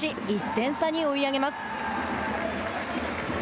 １点差に追い上げます。